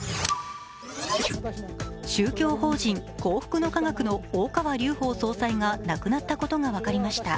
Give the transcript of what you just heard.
宗教法人幸福の科学の大川隆法総裁が亡くなったことが分かりました。